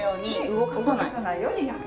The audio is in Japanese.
動かさないように焼く。